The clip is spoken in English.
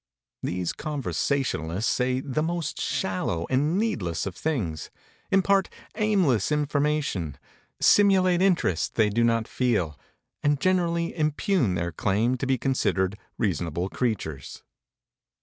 These conversationalists say the most shallow and needless of things, impart aimless information, simulate interest they do not feel, and generally impugn their claim to be considered reasonable creatures.